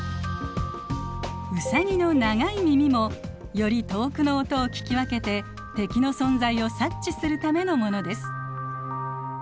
ウサギの長い耳もより遠くの音を聞き分けて敵の存在を察知するためのものです。